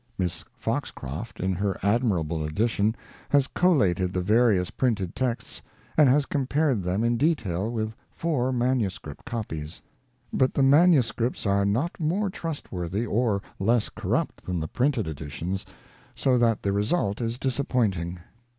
Miss Foxcroft, in her admirable edition, has collated the various printed texts, and has compared them in detail with four manuscript copies. But the manuscripts are not more trustworthy, or less corrupt, than the printed editions, so that the result is disappointing.